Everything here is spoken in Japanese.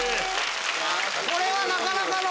これはなかなかの。